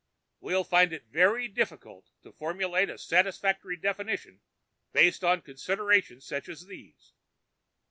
We'll find it very difficult to formulate a satisfactory definition based on considerations such as these.